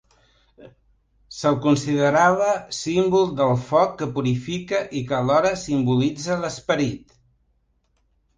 Se'l considerava símbol del foc que purifica i que alhora simbolitza l'esperit.